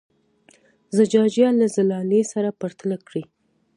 زجاجیه له زلالیې سره پرتله کړئ.